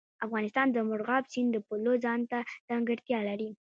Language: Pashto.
افغانستان د مورغاب سیند د پلوه ځانته ځانګړتیا لري.